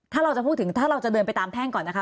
ถ้าเราจะพูดถึงถ้าเราจะเดินไปตามแท่งก่อนนะคะ